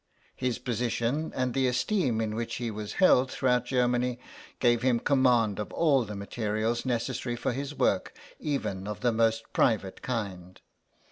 His position, and the esteem in which he was held throughout Germany, gave him command of all the materials necessary for his work, even of the most private kind.